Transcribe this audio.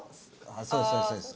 そうそうそうです。